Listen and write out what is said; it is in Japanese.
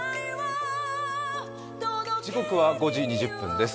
時刻は５時２０分です。